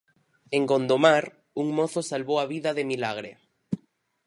En Gondomar, un mozo salvou a vida de milagre.